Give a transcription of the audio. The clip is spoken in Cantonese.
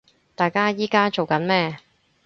大家依家做緊咩